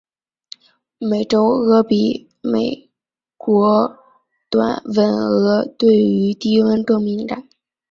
美洲鳄比美国短吻鳄对于低温更敏感。